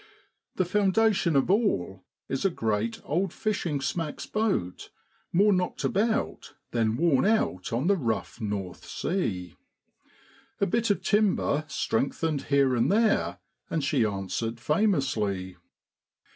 The foundation of all is a great old fishing smack's boat, more knocked about than worn out on the rough North Sea. A bit of timber strengthened here and there, and she answered famously.